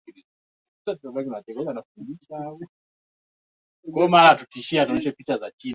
kitu cha kufanya sasa ni kwamba serikali ziamke kwa sababu sasa kenya